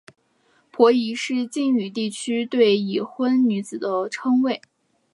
婆姨是晋语地区对已婚女人的称谓。